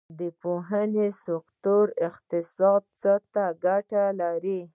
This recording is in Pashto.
د پوهنې سکتور اقتصاد ته څه ګټه لري؟